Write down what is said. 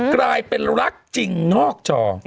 กลายเป็นรักจริงนอกจอ